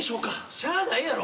しゃあないやろ。